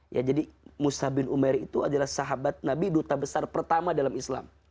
ya jadi musa bin umair itu adalah sahabat nabi duta besar pertama dalam islam